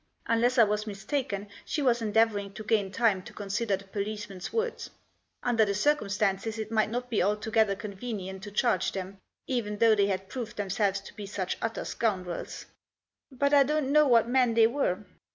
Unless I was mistaken she was endeavouring to gain time to consider the policeman's words. Under the circum stances it might not be altogether convenient to charge them, even though they had proved themselves to be such utter scoundrels. " But I don't know what men they were."